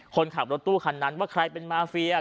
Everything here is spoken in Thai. คนขับรถตู้คันนั้นว่าใครเป็นมาเฟีย